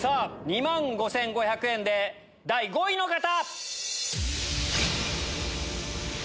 ２万５５００円で第５位の方！